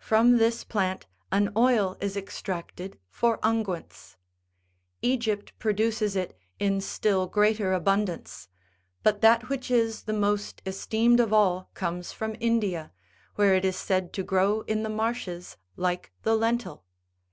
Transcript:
From this plant an oil is extracted for unguents. Egypt produces it in still greater abundance ; but that which is the most esteemed of all comes from India, where it is said to grow in the marshes like the lentil.